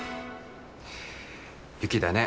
「雪だね」